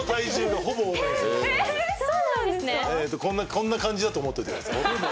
こんな感じだと思っといてください。